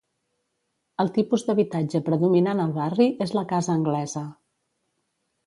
El tipus d'habitatge predominant al barri és la casa anglesa.